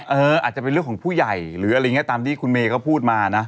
อาจจะเป็นเรื่องของผู้ใหญ่หรืออะไรอย่างนี้ตามที่คุณเมย์เขาพูดมานะ